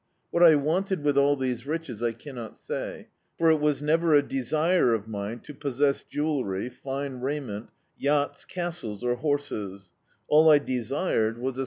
What I wanted with all these ridies I cannot say, for it was never a desire of mine to possess jewellery, fine raiment, yachts, castles or horses: all I desired was a small [170 D,i.